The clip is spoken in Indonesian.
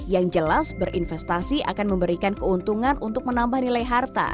yang jelas berinvestasi akan memberikan keuntungan untuk menambah nilai harta